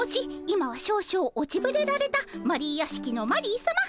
今は少々落ちぶれられたマリー屋敷のマリーさま